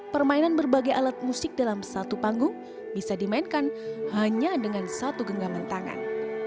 permainan berbagai alat musik dalam satu panggung bisa dimainkan hanya dengan satu genggaman tangan